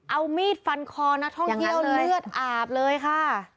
เอามีดฟันคอนักท่องเที่ยวเลือดอาบเลยค่ะ